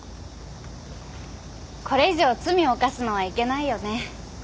これ以上罪を犯すのはいけないよね。